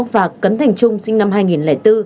và cấn thành trung sinh năm hai nghìn bốn